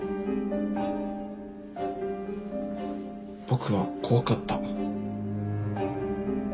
僕は怖かった。